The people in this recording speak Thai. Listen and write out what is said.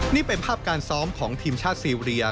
นี่เป็นภาพการซ้อมของทีมชาติซีเรีย